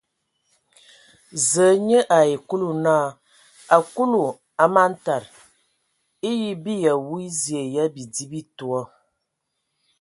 Zǝ nye ai Kulu naa : a Kulu, a man tad, eyə bii awu zie ya bidi bi toa ?